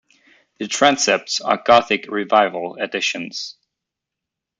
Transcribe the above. The transepts are Gothic Revival additions.